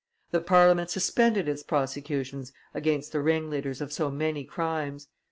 The Parliament suspended its prosecutions against the ringleaders of so many crimes.